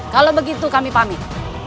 kalau begitu kami pamit